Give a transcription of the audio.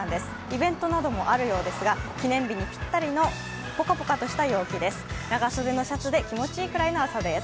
イベントなどもあるようですが、記念日にぴったりのポカポカとした陽気です。